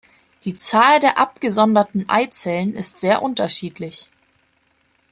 Die "Zahl der abgesonderten Eizellen" ist sehr unterschiedlich.